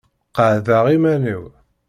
Qeɛdeɣ iman-iw.